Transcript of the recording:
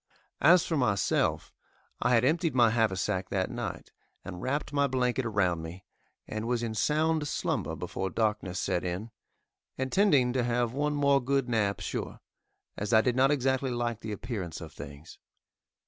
As for myself, I had emptied my haversack that night, and wrapped my blanket around me, and was in sound slumber before darkness set in, intending to have one more good nap sure, as I did not exactly like the appearance of things.